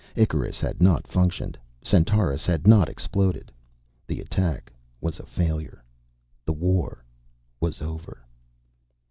Icarus had not functioned. Centaurus had not exploded. The attack was a failure. The war was over.